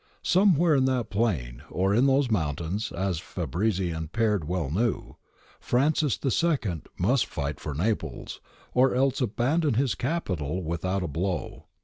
Somewhere in that plain or in those mountains, as Fabrizi and Peard well knew, Francis II. must fight for Naples, or else abandon his capital without a blow.